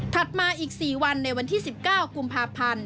มาอีก๔วันในวันที่๑๙กุมภาพันธ์